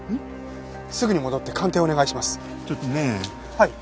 はい？